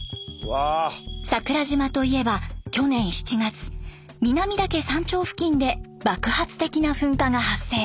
桜島といえば去年７月南岳山頂付近で爆発的な噴火が発生。